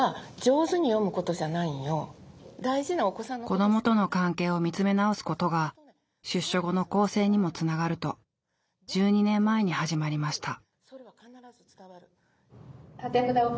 子どもとの関係を見つめ直すことが出所後の更生にもつながると１２年前に始まりました。